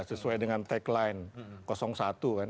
sesuai dengan tagline satu kan